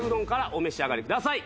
お召し上がりください。